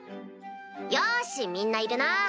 ・よしみんないるな！